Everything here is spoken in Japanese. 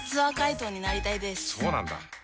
そうなんだ。